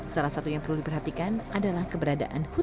salah satu yang perlu diperhatikan adalah maka itu adalah kegiatan manusia